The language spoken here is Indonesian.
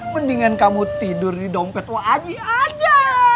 mendingan kamu tidur di dompet wajib aja